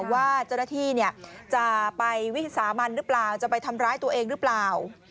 ว่าเจ้าหน้าที่จะไปวิสามันหรือเปล่าจะไปทำร้ายตัวเองหรือเปล่า